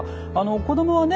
子どもはね